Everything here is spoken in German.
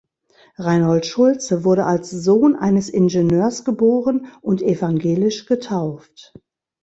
Reinhold Schulze wurde als Sohn eines Ingenieurs geboren und evangelisch getauft.